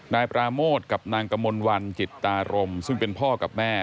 นายปราโมทกับนางกมลวันจิตตารมซึ่งเป็นพ่อกับแม่